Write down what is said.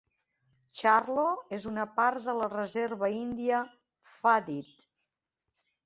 Charlo és una part de la reserva índia Flathead.